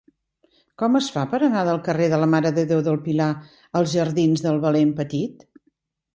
Com es fa per anar del carrer de la Mare de Déu del Pilar als jardins del Valent Petit?